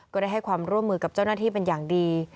ก็ได้ให้ความร่วมมือกับเจ้าหน้าที่เป็นอย่างดี